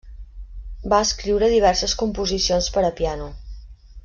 Va escriure diverses composicions per a piano.